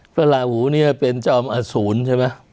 พระราหูเนี่ยเป็นเจ้าอสูรใช่ไหม